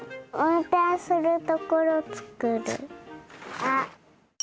あっ。